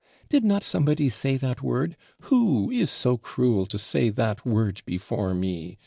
Did not somebody say that word? Who is so cruel to say that word before me?